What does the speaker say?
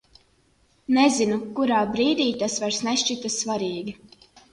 Nezinu, kurā brīdī tas vairs nešķita svarīgi.